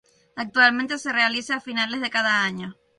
Actualmente se realiza a finales de cada año.